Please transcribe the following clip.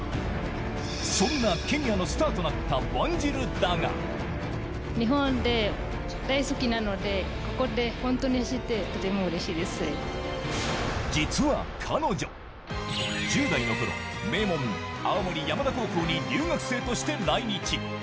そんなケニアのスターとなったワンジルだが実は彼女１０代のころ、名門・青森山田高校に留学生として来日。